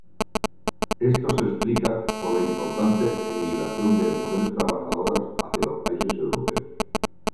Esto se explica por la importante emigración de mujeres trabajadoras hacia los países europeos.